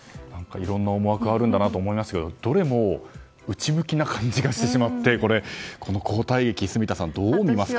いろんな思惑があるんだなと思いましたがどれも内向きな感じがしてしまってこの交代劇、住田さんどう見ますか？